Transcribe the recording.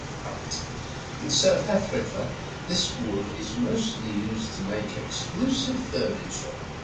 In South Africa, this wood is mostly used to make exclusive furniture.